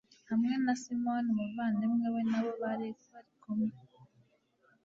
hamwe na simoni umuvandimwe we n'abo bari kumwe bose